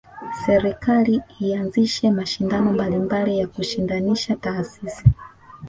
Serekali ianzishe mashindano mbalimbali ya kushindanisha taasisi